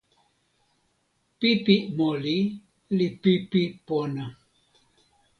pipi moli li pipi pona.